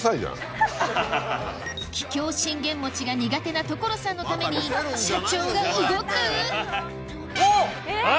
桔梗信玄餅が苦手な所さんのために社長が動く⁉おっ！